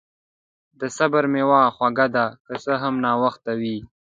د صبر میوه خوږه ده، که څه هم ناوخته وي.